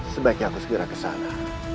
sebaiknya aku segera kesana